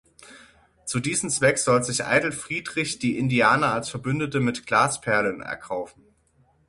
Zu diesem Zweck soll sich Eitel Friedrich die Indianer als Verbündete mit Glasperlen erkaufen.